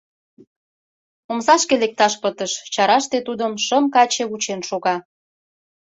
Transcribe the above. Омсашке лекташ пытыш — чараште тудым шым каче вучен шога.